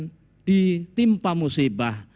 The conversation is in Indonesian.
sebetulan ditimpa musibah